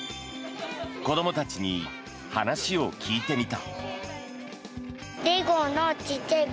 子どもたちに話を聞いてみた。